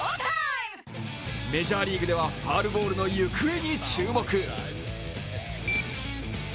メジャーリーグではファウルボールの行方に注目。